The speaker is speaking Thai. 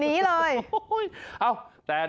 หนีเลย